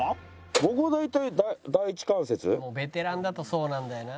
僕は大体「ベテランだとそうなんだよなあ」